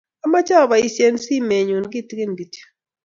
Amoche apoisyen simennyu kitikin kityo